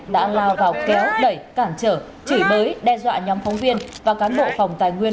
đã lao vào kéo đẩy cản trở chửi bới đe dọa nhóm phóng viên và cán bộ phòng tài nguyên